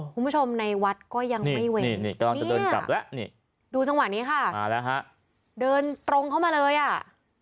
คุณผู้ชมในวัดก็ยังไม่เว้นเนี่ยดูสังหวัดนี้ค่ะเดินตรงเข้ามาเลยอ่ะ